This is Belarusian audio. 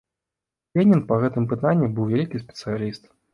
Ленін па гэтым пытанні быў вялікі спецыяліст.